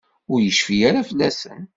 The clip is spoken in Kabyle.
Ur yecfi ara fell-asen.